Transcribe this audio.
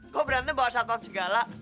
kok berantem bahwa satu api galak